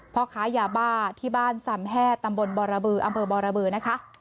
พ่อค้ายาบ้าที่บ้านสำแห้ตำบลบรบืออำเภอบรบือนะคะ